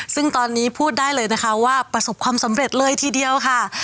ซึ่งตอนนี้พูดได้เลยนะคะว่าประสบความสำเร็จเลยทีเดียวค่ะ